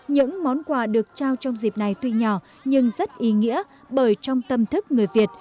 những món quà được trao trong dịp này tuy nhỏ nhưng rất ý nghĩa bởi trong tâm thức người việt